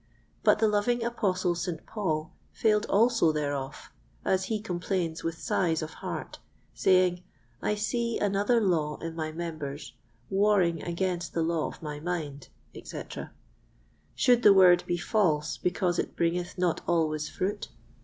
But the loving Apostle St. Paul failed also thereof, as he complains with sighs of heart, saying, "I see another law in my members, warring against the law of my mind," etc. Should the Word be false because it bringeth not always fruit?